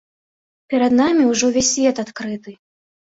Перад намі ўжо ўвесь свет адкрыты.